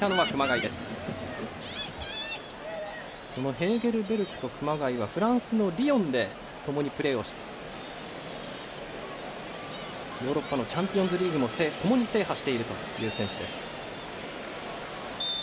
ヘーゲルベルクと熊谷はフランスのリヨンでともにプレーをしてヨーロッパのチャンピオンズリーグもともに制覇しているという選手。